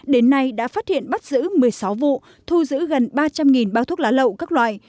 đến nay đã phát hiện bắt giữ một mươi sáu vụ thu giữ gần ba trăm linh bao thuốc lá lậu các loại